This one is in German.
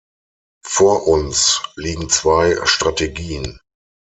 Vor uns liegen zwei Strategien.